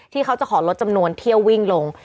เขาจะขอลดจำนวนเที่ยววิ่งลง